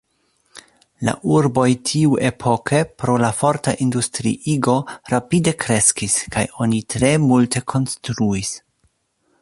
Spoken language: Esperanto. La urboj tiuepoke pro la forta industriigo rapide kreskis kaj oni tre multe konstruis.